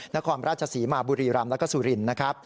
นะครราชศรีตร์มาบุรีล้ำและสุรินตร์